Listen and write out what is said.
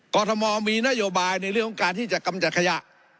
กรทมมีนโยบายในเรื่องของการที่จะกำจัดขยะ